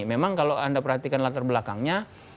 memang kalau anda perhatikan latar belakangnya